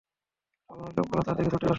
তখন ঐ লোকগুলো তার দিকে ছুটে আসলো।